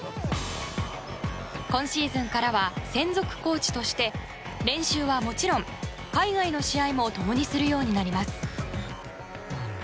今シーズンからは専属コーチとして練習はもちろん、海外の試合も共にするようになります。